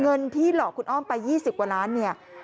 เงินที่หลอกคุณอ้อมไป๒๐กว่าล้านเนี่ย